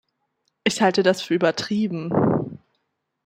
Ich halte das für übertrieben!